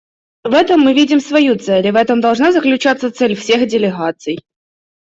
В этом мы видим свою цель и в этом должна заключаться цель всех делегаций.